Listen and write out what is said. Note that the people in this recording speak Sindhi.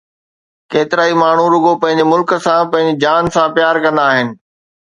ڪيترائي ماڻھو رڳو پنھنجي ملڪ سان پنھنجي جان سان پيار ڪندا آھن